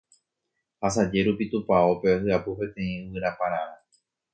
Asaje rupi tupãópe hyapu peteĩ yvyrapararã